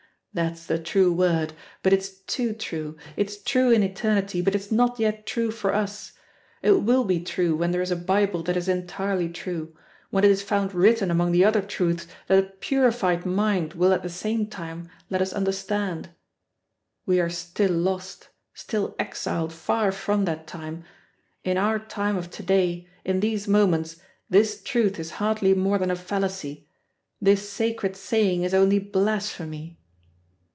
That's the true word, but it's too true; it's true in eternity, but it's not yet true for us. It will be true when there is a Bible that is entirely true, when it is found written among the other truths that a purified mind will at the same time let us understand. We are still lost, still exiled far from that time. In our time of to day, in these moments, this truth is hardly more than a fallacy, this sacred saying is only blasphemy!"